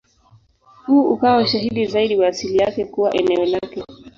Huu ukawa ushahidi zaidi wa asili yake kuwa eneo lake.